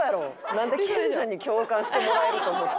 なんで研さんに共感してもらえると思って。